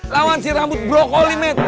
lawan si rambut brokoli mehmet